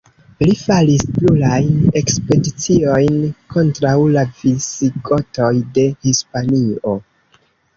Li faris plurajn ekspediciojn kontraŭ la Visigotoj de Hispanio.